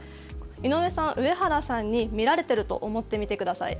井上さん、上原さんに見られてると思って見てください。